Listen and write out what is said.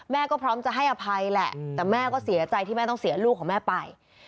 ก็พร้อมจะให้อภัยแหละแต่แม่ก็เสียใจที่แม่ต้องเสียลูกของแม่ไป